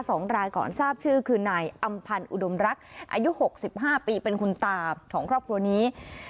สองรายก่อนทราบชื่อคือนายอำพันธ์อุดมรักอายุหกสิบห้าปีเป็นคุณตาของครอบครัวนี้